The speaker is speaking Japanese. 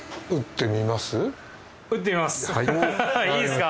はいいいですか？